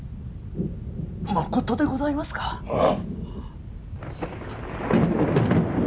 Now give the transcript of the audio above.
まことでございますか！ああ。